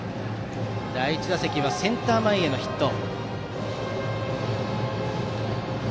第１打席はセンター前へのヒット。